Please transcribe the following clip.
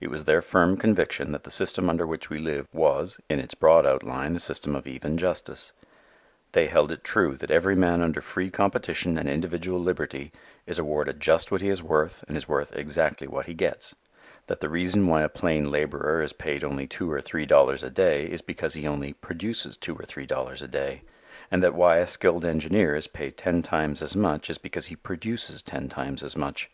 It was their firm conviction that the system under which we live was, in its broad outline, a system of even justice. They held it true that every man under free competition and individual liberty is awarded just what he is worth and is worth exactly what he gets: that the reason why a plain laborer is paid only two or three dollars a day is because he only "produces" two or three dollars a day: and that why a skilled engineer is paid ten times as much is because he "produces" ten times as much.